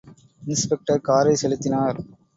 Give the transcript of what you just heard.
Inspector காரைச் செலுத்தினார்.